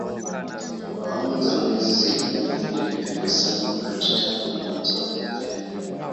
Awamu za mwezi zilikuwa vipindi vya kuhesabu wakati tangu mwanzo wa kalenda.